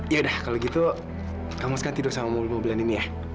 yaudah kalau gitu kamu sekarang tidur sama mobil mobilan ini ya